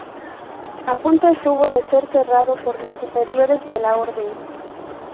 A punto estuvo de ser cerrado por los superiores de la Orden.